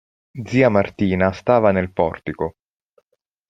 Zia Martina stava nel portico.